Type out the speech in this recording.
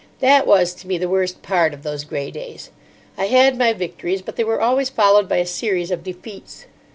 That was to me the worst part of those grey days. I had my victories, but they were always followed by a series of defeats.